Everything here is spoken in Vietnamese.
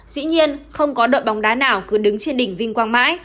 dĩ nhiên không có đội bóng đá nào cứ đứng trên đỉnh vinh quang mãi